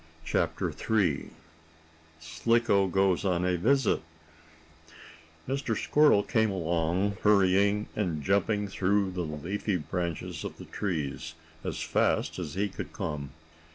CHAPTER III SLICKO GOES ON A VISIT Mr. Squirrel came along, hurrying and jumping through the leafy branches of the trees as fast as he could come.